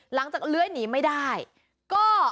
หลังจากเลื้อนหนีไม่ได้ก็